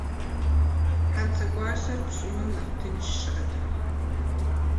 Хьэнцэгуащэр пщӏыным нэхъ тынш щыӏэтэкъым.